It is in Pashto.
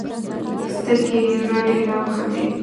سترګې يې رډې راوختې.